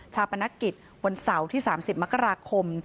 ปนกิจวันเสาร์ที่๓๐มกราคม